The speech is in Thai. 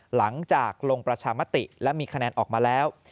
หลังจากลงประชามติและมีคะแนนออกมาแล้ว